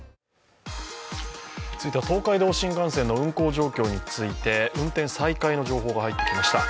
続いては東海道新幹線の運行情報について運転再開の情報が入ってきました。